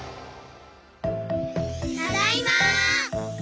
ただいま。